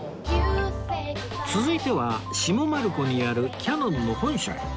続いては下丸子にあるキヤノンの本社へ